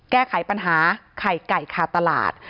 แก้ไขปัญหาไข่ไก่คาตลาด